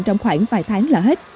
trong khoảng vài tháng là hết